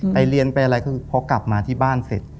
ไปเรียนไปอะไรคือพอกลับมาที่บ้านเสร็จ